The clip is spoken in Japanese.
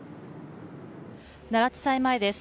奈良地裁前です。